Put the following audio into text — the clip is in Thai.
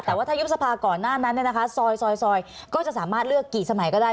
แต่ว่าถ้ายุบสภาก่อนหน้านั้นซอยก็จะสามารถเลือกกี่สมัยก็ได้